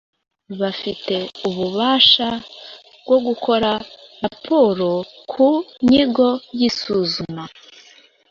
Bafite ububasha bwo gukora raporo ku nyigo y’isuzuma